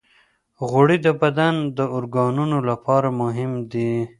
غوړې د بدن د اورګانونو لپاره مهمې دي.